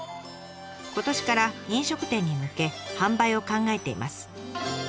今年から飲食店に向け販売を考えています。